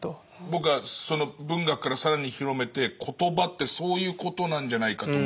僕はその文学から更に広めて言葉ってそういうことなんじゃないかと思うんですね。